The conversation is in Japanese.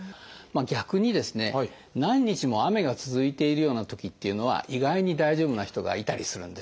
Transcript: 逆に何日も雨が続いているようなときというのは意外に大丈夫な人がいたりするんです。